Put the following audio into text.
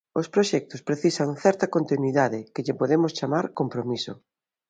Os proxectos precisan certa continuidade que lle podemos chamar compromiso.